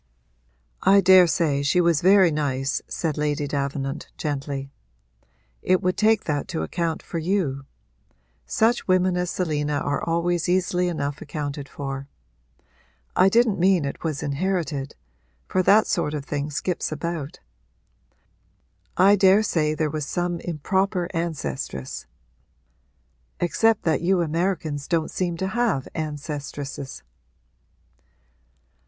'I daresay she was very nice,' said Lady Davenant gently. 'It would take that to account for you: such women as Selina are always easily enough accounted for. I didn't mean it was inherited for that sort of thing skips about. I daresay there was some improper ancestress except that you Americans don't seem to have ancestresses.'